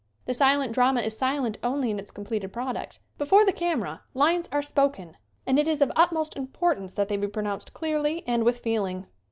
The silent drama is silent only in its com pleted product. Before the camera lines are spoken and it is of utmost importance that they be pronounced clearly and with feeling.